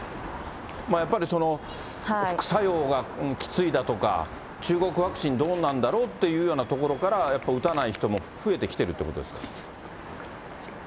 やっぱり副作用がきついだとか、中国ワクチンどうなんだろうというようなところから、やっぱ打たない人も増えてるということですか。